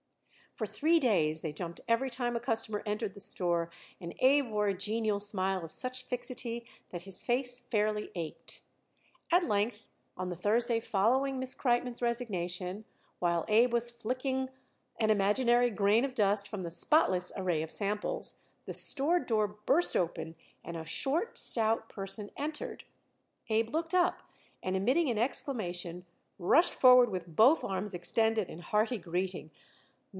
For three days they jumped every time a customer entered the store, and Abe wore a genial smile of such fixity that his face fairly ached. At length, on the Thursday following Miss Kreitmann's resignation, while Abe was flicking an imaginary grain of dust from the spotless array of samples, the store door burst open and a short, stout person entered. Abe looked up and, emitting an exclamation, rushed forward with both arms extended in hearty greeting.